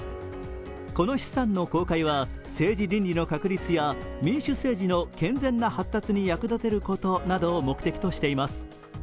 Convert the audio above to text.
この資産の公開は政治倫理の確立や民主政治の健全な発達に役立てることなどを目的としています。